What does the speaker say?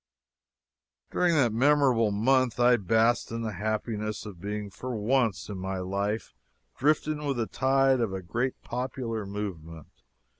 During that memorable month I basked in the happiness of being for once in my life drifting with the tide of a great popular movement.